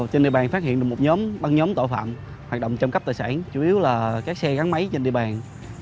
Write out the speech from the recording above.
trên địa bàn phát hiện được một nhóm băng nhóm tội phạm hoạt động trộm cắp tài sản chủ yếu là các xe gắn máy trên địa bàn